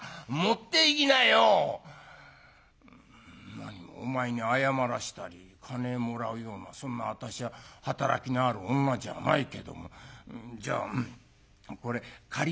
「なにもお前に謝らしたり金もらうようなそんな私は働きのある女じゃないけどもじゃこれ借りとくから」。